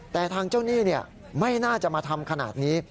แต่ทางเจ้าหนี้ไม่น่าจะมาทำขนาดนี้